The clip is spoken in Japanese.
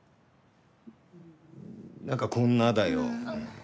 なんかこんなだよ。